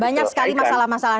banyak sekali masalah masalah